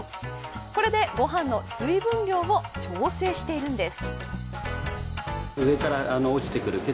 これでご飯の水分量を調整しているんです。